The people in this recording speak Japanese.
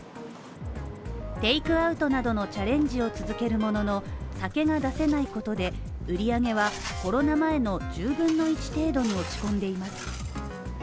テークアウトなどのチャレンジを続けるものの酒が出せないことで売り上げはコロナ前の１０分の１程度に落ち込んでいます。